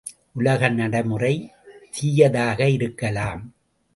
உலக நடைமுறை தீயதாக இருக்கலாம்.